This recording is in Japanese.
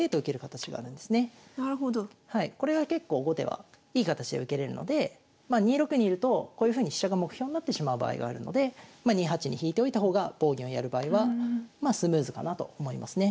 これが結構後手はいい形で受けれるのでまあ２六にいるとこういうふうに飛車が目標になってしまう場合があるのでま２八に引いておいた方が棒銀をやる場合はまあスムーズかなと思いますね。